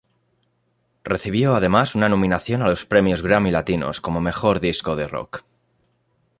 Recibió además una nominación a los Premios Grammy Latinos como "Mejor disco de rock".